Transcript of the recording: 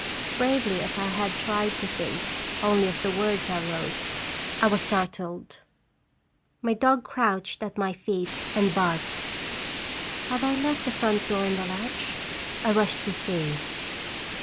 Bravely as I had tried to think only of the words I wrote, I was startled. My dog crouched at my feet and 314 barked. Had I left the front door on the latch ? I rushed to see.